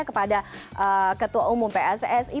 kepada ketua umum pssi